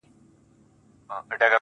ټوله شپه خوبونه وي.